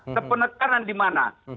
ada penekanan di mana